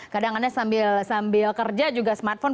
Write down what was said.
kadang kadang sambil kerja juga smartphone